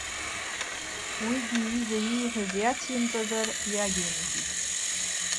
Уигьы иҩыза ииҳәаз иацимҵазар иагимыжьит.